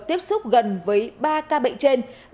tiếp xúc gần với ba ca bệnh trên